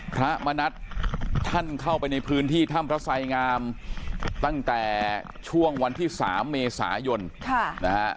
พระมณัฐท่านเข้าไปในพื้นที่ถ้ำพระไสงามตั้งแต่ช่วงวันที่๓เมษายนนะฮะ